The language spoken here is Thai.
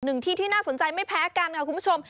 หนึ่งที่ที่น่าสนใจไม่แพ้กันค่ะคุณผู้ชม